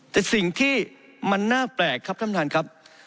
แต่สิ่งที่มันน่าแปลกครับท่านประธานครับ